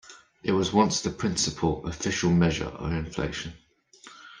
It was once the principal official measure of inflation.